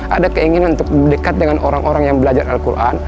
ada keinginan untuk dekat dengan orang orang yang belajar al quran